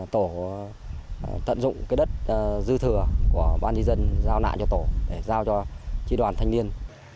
tổ tận dụng đất dư thừa của ban dân giao nạn cho tổ giao cho trí đoàn thanh niên